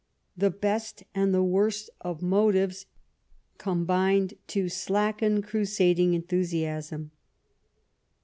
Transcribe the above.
The best and the worst of motives combined to slacken crusading enthusiasm.